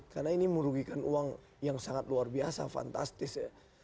karena ini merugikan uang yang sangat luar biasa fantastis ya